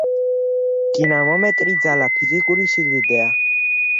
დინამომეტრი ძალა ფიზიკური სიდიდეა